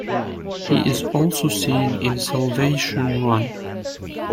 He is also seen in "Salvation Run".